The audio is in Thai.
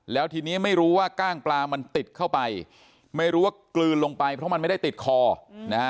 แล้วทีนี้ไม่รู้ว่ากล้างปลามันติดเข้าไปไม่รู้ว่ากลืนลงไปเพราะมันไม่ได้ติดคอนะฮะ